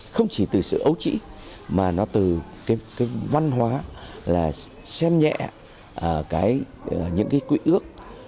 không chỉ từ sự ấu trĩ mà nó từ cái văn hóa là xem nhẹ những cái quy ước